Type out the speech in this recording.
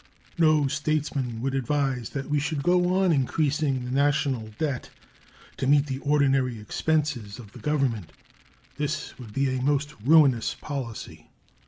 No statesman would advise that we should go on increasing the national debt to meet the ordinary expenses of the Government. This would be a most ruinous policy.